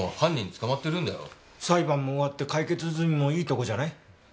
裁判も終わって解決済みもいいとこじゃない？